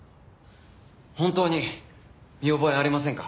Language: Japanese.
本当に見覚えありませんか？